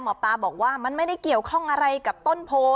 หมอปลาบอกว่ามันไม่ได้เกี่ยวข้องอะไรกับต้นโพ